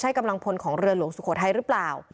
ใช่กำลังพลของเรือหลวงสุโขทัยหรือเปล่า